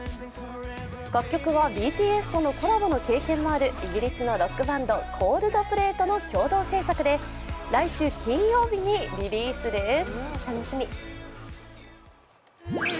楽曲はＢＴＳとのコラボの経験もあるイギリスのロックバンドＣｏｌｄｐｌａｙとの共同制作で来週金曜日にリリースです。